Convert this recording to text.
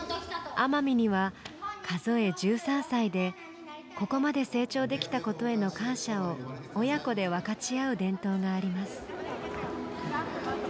奄美には数え１３歳でここまで成長できたことへの感謝を親子で分かち合う伝統があります。